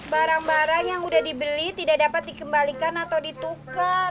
barang barang yang sudah dibeli tidak dapat dikembalikan atau ditukar